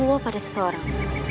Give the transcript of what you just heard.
woh pada seseorang